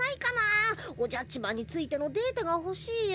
おじゃっちマンについてのデータがほしいよ。